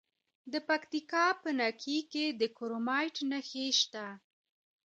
د پکتیکا په نکې کې د کرومایټ نښې شته.